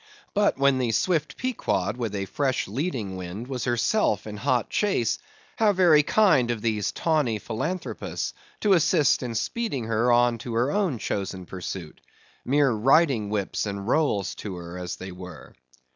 But when the swift Pequod, with a fresh leading wind, was herself in hot chase; how very kind of these tawny philanthropists to assist in speeding her on to her own chosen pursuit,—mere riding whips and rowels to her, that they were.